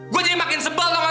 gue jadi makin sebel tau gak